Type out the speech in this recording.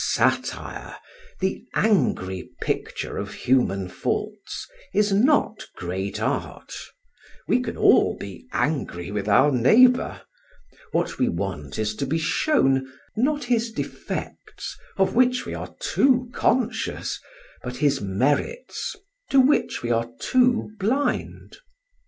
Satire, the angry picture of human faults, is not great art; we can all be angry with our neighbour; what we want is to be shown, not his defects, of which we are too conscious, but his merits, to which we are too blind.